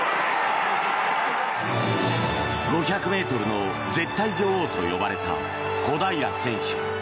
５００ｍの絶対女王と呼ばれた小平選手。